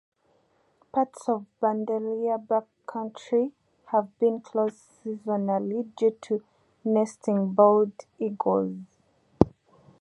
Parts of the Bandelier backcountry have been closed seasonally due to nesting bald eagles.